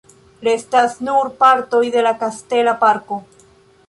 Restas nur partoj de kastela parko.